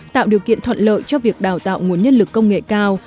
tạo điều kiện thuận lợi cho việc đào tạo nguồn nhân lực công nghệ cao